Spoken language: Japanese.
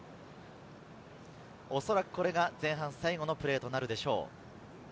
おそらくこれが前半最後のプレーとなるでしょう。